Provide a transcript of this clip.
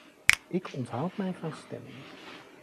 Ik onthoud mij van stemming.